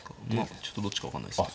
ちょっとどっちか分かんないですね。